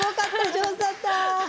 上手だった。